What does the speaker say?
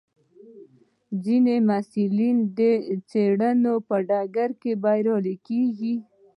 ځینې محصلین د څېړنې په ډګر کې بریالي کېږي.